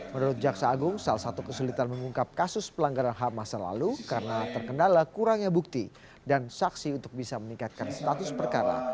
menurut jaksa agung salah satu kesulitan mengungkap kasus pelanggaran ham masa lalu karena terkendala kurangnya bukti dan saksi untuk bisa meningkatkan status perkara